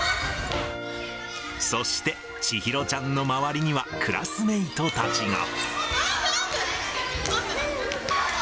そして、千尋ちゃんの周りには、クラスメートたちが。